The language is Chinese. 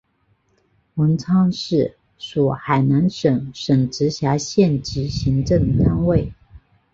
文昌市属海南省省直辖县级行政单位。